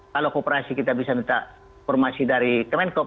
kalau kooperasi kita bisa minta informasi dari kemenkop